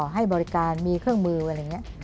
ให้บริการมีเครื่องมืออะไรอย่างนี้